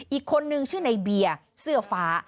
อีกคนนึงชื่อในเบียร์เสื้อฟ้า